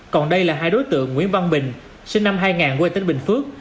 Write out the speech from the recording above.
còn đây là hai đối tượng nguyễn văn bình sinh năm hai nghìn quê tỉnh bình phước